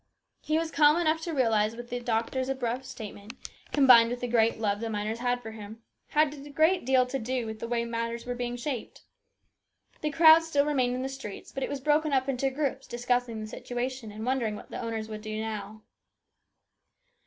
He was calm enough to realise that the doctor's abrupt statement, combined with the great love the miners had for him, had a great deal to do with the way matters were being shaped. The crowd still remained in the streets, but it was broken up into groups discussing the situation and wondering what the owners would do now.